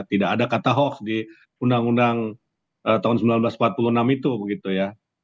tidak ada kata hoax di undang undang tahun seribu sembilan ratus empat puluh enam itu begitu ya